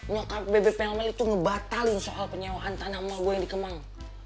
nyokap bebe pengamel itu ngebatalin soal penyewahan tanah emak gue di kemang